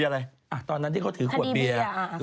แล้วตอนนั้นตอนที่เขาถือกดเบียร์